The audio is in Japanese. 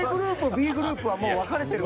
Ｂグループは分かれてるね。